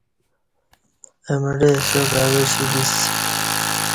اہ مڑہ اچاک اوہ ݜی بیسی